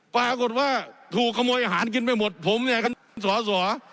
ปรากฏว่าถูกขโมยอาหารกินไปหมดผมเนี่ยสอสอ